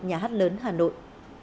nhà hát lớn hà nội